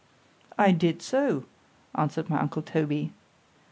—I did so, answered my uncle Toby.